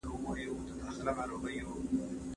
دلیل ویل یو مهارت دی.